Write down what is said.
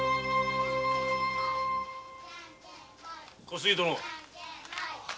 小杉殿。